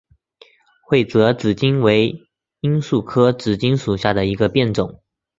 会泽紫堇为罂粟科紫堇属下的一个变种。